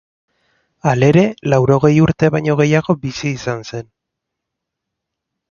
Halere, laurogei urte baino gehiago bizi izan zen.